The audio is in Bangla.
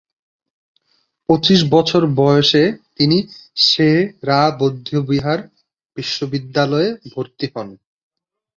পঁচিশ বছর বয়সে তিনি সে-রা বৌদ্ধবিহার বিশ্ববিদ্যালয়ে ভর্তি হন।